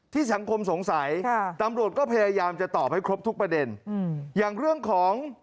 สังคมสงสัยค่ะตำรวจก็พยายามจะตอบให้ครบทุกประเด็นอืมอย่างเรื่องของ